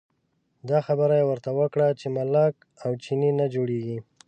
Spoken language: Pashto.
دا خبره یې ورته وکړه چې ملک او چینی نه جوړېږي.